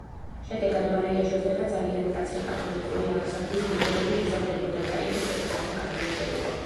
შედეგად მარია ჟოზეფა ძალიან მკაცრი კათოლიკური აღზრდის მეთოდებით იზრდებოდა და იგი ჭეშმარიტი კათოლიკე იყო.